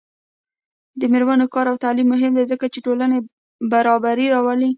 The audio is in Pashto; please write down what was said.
د میرمنو کار او تعلیم مهم دی ځکه چې ټولنې برابري راولي.